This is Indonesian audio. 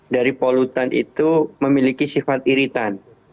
dari polutan itu memiliki sifat iritan